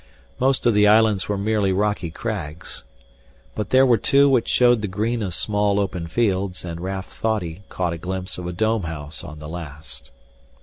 Most of the islands were merely rocky crags. But there were two which showed the green of small open fields, and Raf thought he caught a glimpse of a dome house on the last.